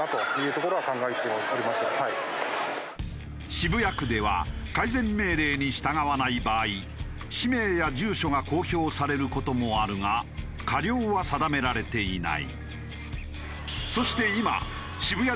渋谷区では改善命令に従わない場合氏名や住所が公表される事もあるが過料は定められていない。